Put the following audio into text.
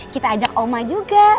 kita ajak oma juga